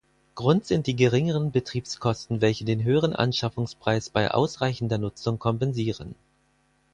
Grund sind die geringeren Betriebskosten, welche den höheren Anschaffungspreis bei ausreichender Nutzung kompensieren.